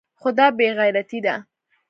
خو دا بې غيرتي ده.